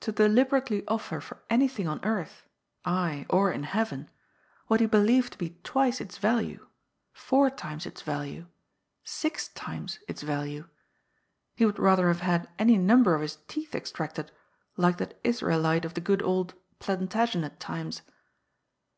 To deliberately offer for anything on earth — ^ay, or in heaven — what he believed to be twice its value— four times its value— six times its value — he would rather have had any number of his teeth extracted, like that Israelite of the good old Plan tagenet times.